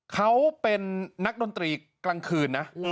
เขาเป็นนักดนตรีกลางคืนนะ